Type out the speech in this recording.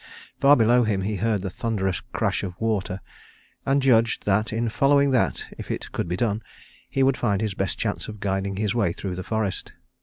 Far below him he heard the thunderous crash of water, and judged that in following that, if it could be done, he would find his best chance of guiding his way through the forest.